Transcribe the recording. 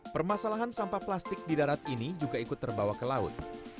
permasalahan sampah plastik di darat ini juga ikut terbawa ke laut